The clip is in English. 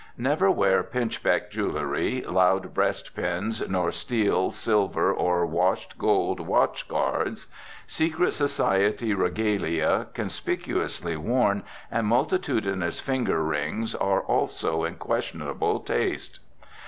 Never wear pinchbeck jewelry, loud breast pins, nor steel, silver or washed gold watch guards. Secret society regalia, conspicuously worn, and multitudinous finger rings are also in questionable taste.